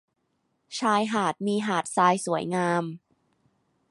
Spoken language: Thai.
ชายหาดมีหาดทรายสวยงาม